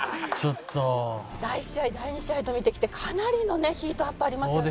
第１試合第２試合と見てきてかなりのねヒートアップありますよね。